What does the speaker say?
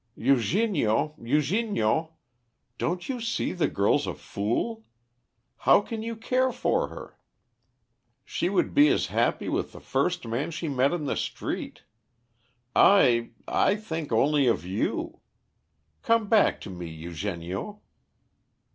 "Eugenio, Eugenio! Don't you see the girl's a fool? How can you care for her? She would be as happy with the first man she met in the street. I I think only of you. Come back to me, Eugenio."